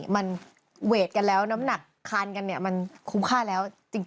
มันเวทกันแล้วน้ำหนักคานกันเนี่ยมันคุ้มค่าแล้วจริง